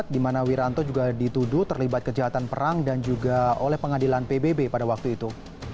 di mana wiranto juga dituduh terlibat kejahatan perang dan juga oleh pengadilan pbb pada waktu itu